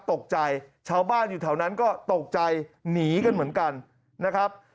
ตกใจชาวบ้านอยู่แถวนั้นก็ตกใจหนีกันเหมือนกันนะครับ